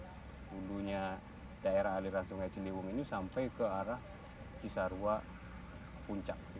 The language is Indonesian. hulunya daerah aliran sungai ciliwung ini sampai ke arah cisarua puncak